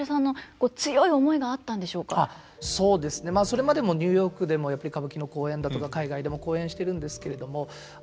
それまでもニューヨークでもやっぱり歌舞伎の公演だとか海外でも公演してるんですけれども。